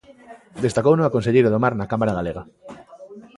Destacouno a conselleira do Mar na cámara galega.